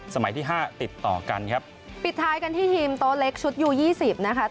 ที่ห้าติดต่อกันครับปิดท้ายกันที่ทีมโต๊ะเล็กชุดยูยี่สิบนะคะ